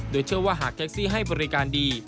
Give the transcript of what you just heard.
โดยเชื่อว่าหากแท็กซี่ให้บริการดี